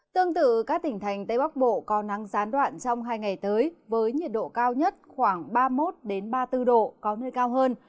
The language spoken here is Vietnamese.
tương tự các tỉnh thành tây bắc bộ có nắng gián đoạn trong hai ngày tới với nhiệt độ cao nhất khoảng ba mươi một ba mươi bốn độ có nơi cao hơn